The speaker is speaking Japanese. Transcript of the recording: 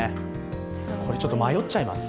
ちょっと迷っちゃいます。